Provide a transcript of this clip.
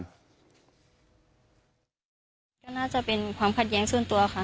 ก็น่าจะเป็นความขัดแย้งส่วนตัวค่ะ